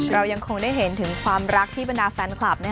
เรายังคงได้เห็นถึงความรักที่บรรดาแฟนคลับ